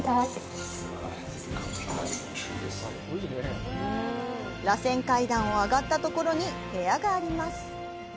らせん階段を上がったところに部屋があります。